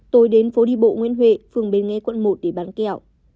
tôi đến phố đi bộ nguyễn huệ phường bến nghê quận một để bán vé số